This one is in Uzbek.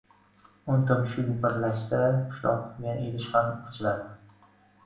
• O‘nta mushuk birlashsa pishloq turgan idish ham ochiladi.